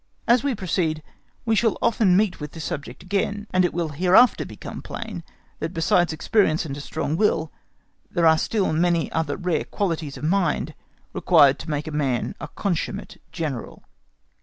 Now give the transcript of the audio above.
As we proceed, we shall often meet with this subject again, and it will hereafter become plain that besides experience and a strong will, there are still many other rare qualities of the mind required to make a man a consummate General.